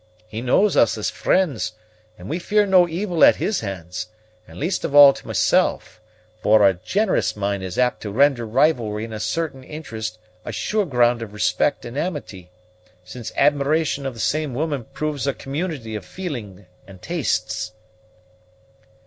He knows us as friends, and we fear no evil at his hands, and least of all to myself; for a generous mind is apt to render rivalry in a certain interest a sure ground of respect and amity, since admiration of the same woman proves a community of feeling and tastes."